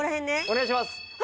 お願いします。